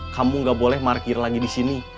kamu gak boleh markir lagi disini